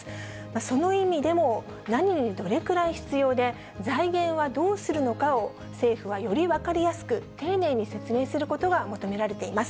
その意味でも、何にどれくらい必要で、財源はどうするのかを、政府はより分かりやすく、丁寧に説明することが求められています。